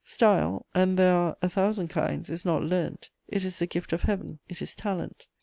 Style, and there are a thousand kinds, is not learnt; it is the gift of Heaven, it is talent.